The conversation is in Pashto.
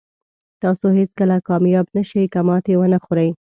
تاسو هېڅکله کامیاب نه شئ که ماتې ونه خورئ.